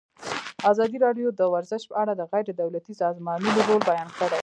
ازادي راډیو د ورزش په اړه د غیر دولتي سازمانونو رول بیان کړی.